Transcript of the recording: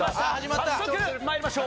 早速まいりましょう。